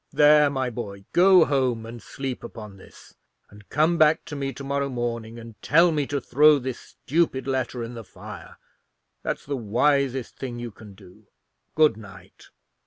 There, my boy; go home and sleep upon this; and come back to me to morrow morning, and tell me to throw this stupid letter in the fire—that's the wisest thing you can do. Good night."